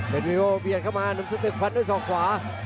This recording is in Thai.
เทศวิโว้เบียนเข้ามาหนุ่มสุดหนึ่งควันด้วยสองขวา